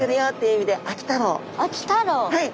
はい。